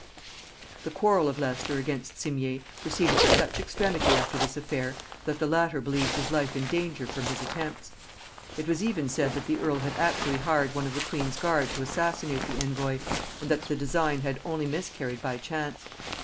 The quarrel of Leicester against Simier proceeded to such extremity after this affair, that the latter believed his life in danger from his attempts. It was even said that the earl had actually hired one of the queen's guard to assassinate the envoy, and that the design had only miscarried by chance.